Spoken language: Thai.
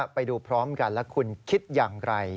ไปดูพร้อมกันแล้วคุณคิดอย่างไร